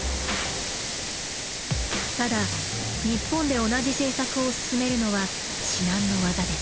ただ日本で同じ政策を進めるのは至難の業です。